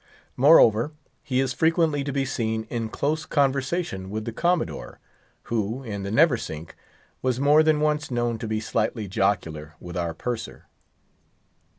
Moreover, he is frequently to be seen in close conversation with the Commodore, who, in the Neversink, was more than once known to be slightly jocular with our Purser.